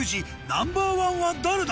ナンバー１は誰だ？